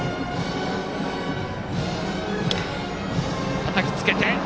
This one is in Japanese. たたきつけた。